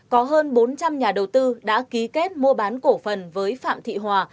có hơn bốn trăm linh nhà đầu tư đã ký kết mua bán cổ phần với phạm thị hòa